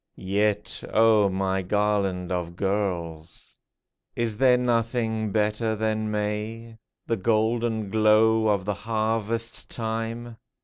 Yet, O my garland of girls ! Is there nothing better than May ? The golden glow of the harvest time